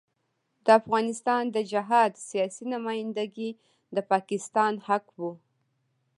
د افغانستان د جهاد سیاسي نمايندګي د پاکستان حق وو.